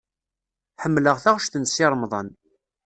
Ḥemmleɣ taɣect n Si Remḍan.